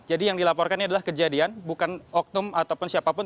jadi yang dilaporkan ini adalah kejadian bukan oknum ataupun siapapun